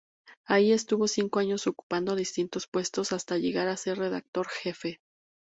Allí estuvo cinco años ocupando distintos puestos hasta llegar a ser redactor jefe.